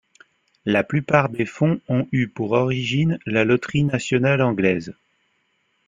La plupart des fonds ont eu pour origine la Loterie nationale anglaise.